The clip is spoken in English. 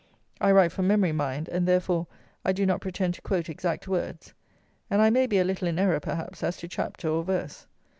I write from memory, mind, and, therefore, I do not pretend to quote exact words; and I may be a little in error, perhaps, as to chapter or verse.